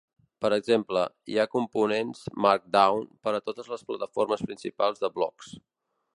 Per exemple, hi ha complements Markdown per a totes les plataformes principals de blogs.